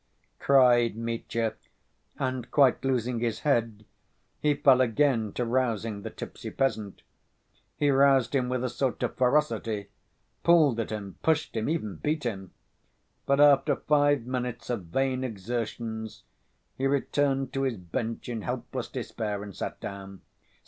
cried Mitya, and, quite losing his head, he fell again to rousing the tipsy peasant. He roused him with a sort of ferocity, pulled at him, pushed him, even beat him; but after five minutes of vain exertions, he returned to his bench in helpless despair, and sat down.